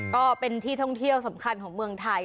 ก็เป็นที่ท่องเที่ยวสำคัญของเมืองไทย